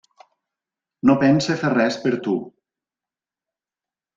No pense fer res per tu.